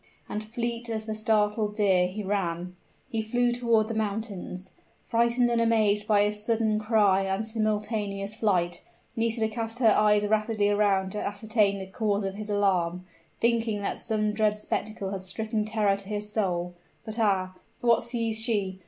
and, fleet as the startled deer he ran he flew toward the mountains. Frightened and amazed by his sudden cry and simultaneous flight, Nisida cast her eyes rapidly around to ascertain the cause of his alarm, thinking that some dreadful spectacle had stricken terror to his soul. But ah what sees she?